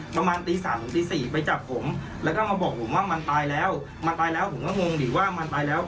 ประมาณตีสามถึงตีสี่ไปจับผมแล้วก็มาบอกผมว่ามันตายแล้วมันตายแล้วผมก็งงดิว่ามันตายแล้ว